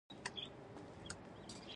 ژوند دخپل وس مطابق کیږي.